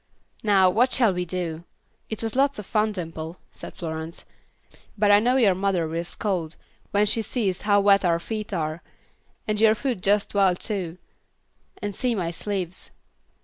"Now, what shall we do? It was lots of fun, Dimple," said Florence, "but I know your mother will scold, when she sees how wet our feet are, and your foot just well too, and see my sleeves.